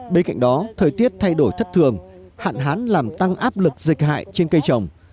bên cạnh đó thời tiết thay đổi thất thường hạn hán làm tăng áp lực dịch hại trên cây trồng